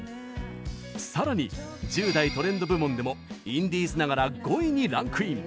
さらに、１０代トレンド部門でもインディーズながら５位にランクイン。